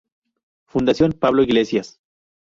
Fundación Pablo Iglesias,